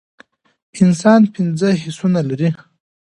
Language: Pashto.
انسان پنځه حسونه لری